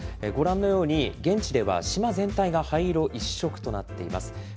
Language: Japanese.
ご覧のように、現地では島全体が灰色一色となっています。